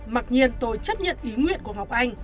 mặc nhiên tôi chấp nhận ý nguyện của ngọc anh